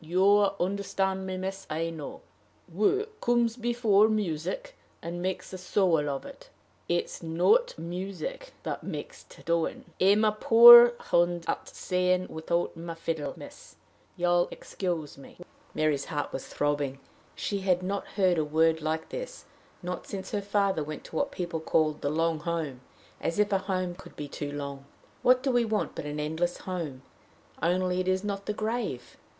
You understand me, miss, I know: work comes before music, and makes the soul of it; it's not the music that makes the doing. I'm a poor hand at saying without my fiddle, miss: you'll excuse me." Mary's heart was throbbing. She had not heard a word like this not since her father went to what people call the "long home" as if a home could be too long! What do we want but an endless home? only it is not the grave!